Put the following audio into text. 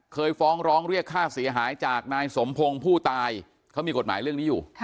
เคยฟ้องร้องเรียกค่าเสียหายจากนายสมพงศ์ผู้ตายเขามีกฎหมายเรื่องนี้อยู่